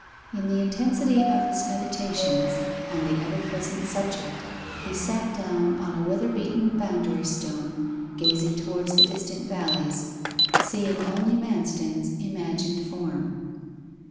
In the intensity of his meditations on the ever present subject, he sat down on a weather beaten boundary stone gazing towards the distant valleys seeing only Manston's imagined form.